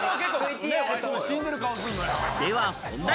では、本題。